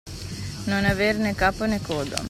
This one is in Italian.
Non aver né capo né coda.